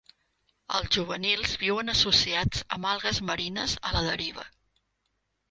Els juvenils viuen associats amb algues marines a la deriva.